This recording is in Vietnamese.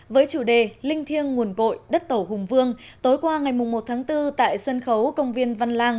với chủ đề linh thiêng nguồn cội đất tổ hùng vương tối qua ngày một tháng bốn tại sân khấu công viên văn lang